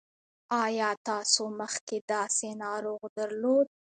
ایا تاسو مخکې داسې ناروغ درلود؟